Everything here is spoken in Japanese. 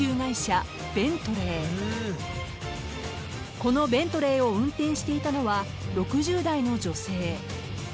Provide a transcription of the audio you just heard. ［このベントレーを運転していたのは６０代の女性］